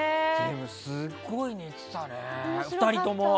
すごい似てたね、２人とも。